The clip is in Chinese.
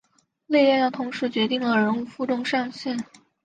力量同时决定了人物负重上限。